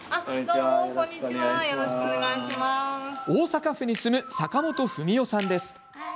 大阪府に住む坂本史佳さんです。